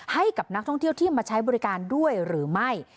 ให้กับนักท่องเที่ยวที่มาใช้บริการด้วยหรือไม่